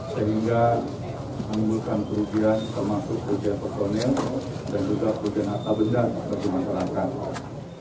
sehingga menimbulkan perubahan termasuk perubahan personil dan juga perubahan atas benda seperti masyarakat